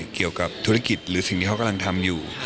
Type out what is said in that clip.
เกี่ยวกับธุรกิจหรือสิ่งที่เขากำลังทำอยู่